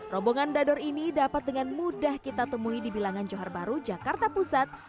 rombongan dador ini dapat dengan mudah kita temui di bilangan johar baru jakarta pusat